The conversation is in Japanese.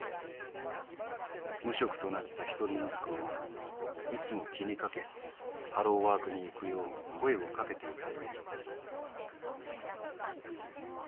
無職となった一人息子をいつも気にかけハローワークに行くよう声をかけていたという。